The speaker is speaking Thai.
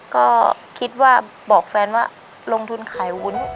ก็คิดว่าบอกแฟนว่าลงทุนขายวุ้น